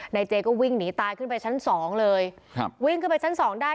เจก็วิ่งหนีตายขึ้นไปชั้นสองเลยครับวิ่งขึ้นไปชั้นสองได้